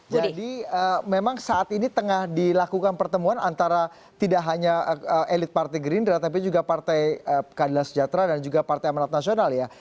jadi memang saat ini tengah dilakukan pertemuan antara tidak hanya elit partai gerindra tapi juga partai kadila sejahtera dan juga partai amanat nasional ya